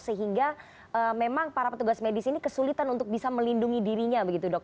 sehingga memang para petugas medis ini kesulitan untuk bisa melindungi dirinya begitu dok